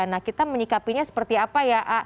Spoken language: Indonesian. nah kita menyikapinya seperti apa ya